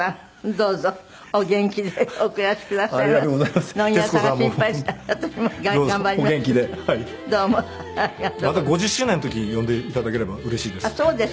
また５０周年の時に呼んで頂ければうれしいです。